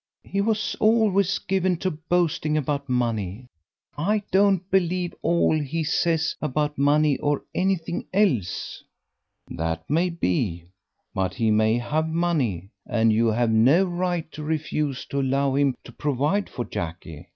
"He was always given to boasting about money. I don't believe all he says about money or anything else." "That may be, but he may have money, and you have no right to refuse to allow him to provide for Jackie.